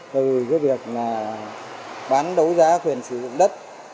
từ cái việc là bán đấu giá khuyền sử dụng đất